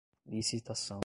licitação